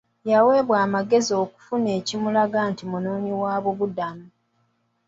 Yaweebwa amagezi okufuna ekimulaga nti munoonyi wa bubudamu.